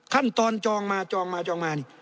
ขั้นตอนจองมา